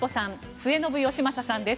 末延吉正さんさんです